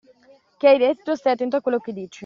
Che hai detto? Stai attento a quello che dici!